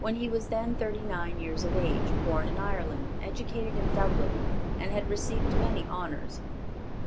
He was then thirty nine years of age, born in Ireland, educated in Dublin, and had received many honors.